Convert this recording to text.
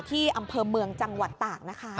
อำเภอเมืองจังหวัดตากนะคะ